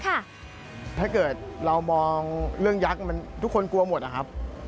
ถ้าเกิดเรามองเรื่องยักษ์มันทุกคนกลัวหมดอะครับ